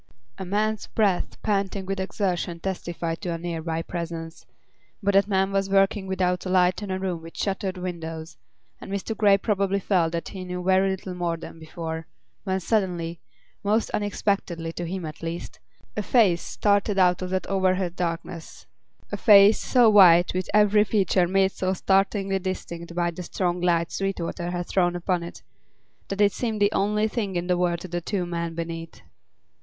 A man's breath panting with exertion testified to a near by presence; but that man was working without a light in a room with shuttered windows, and Mr. Grey probably felt that he knew very little more than before, when suddenly, most unexpectedly, to him at least, a face started out of that overhead darkness; a face so white, with every feature made so startlingly distinct by the strong light Sweetwater had thrown upon it, that it seemed the only thing in the world to the two men beneath.